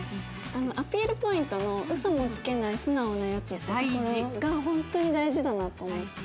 アピールポイントの「嘘もつけない素直なヤツ」ってところが本当に大事だなと思って。